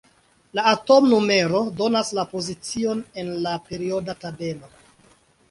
La atomnumero donas la pozicion en la perioda tabelo.